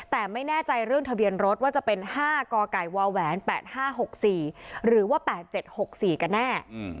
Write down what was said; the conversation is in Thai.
แต่ไม่แน่ใจเรื่องทะเบียนรถว่าจะเป็น๕กกว๘๕๖๔หรือว่า๘๗๖๔กันแน่